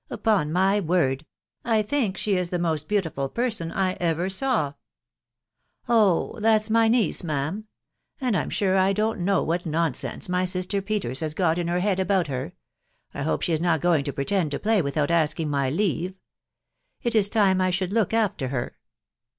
.... Upon my word, I think she is the most beautiful person I ever saw !'* 4t Oh !.... that's my niece,, rua'am ;.... and I'm sure I don't know what nonsense my sister Peters has got in her head about her •.»• 1 hope she is not going to pretend to play without asking my leave. It is time I should look after her."